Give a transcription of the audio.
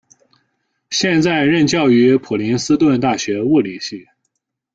现在任教于普林斯顿大学物理系。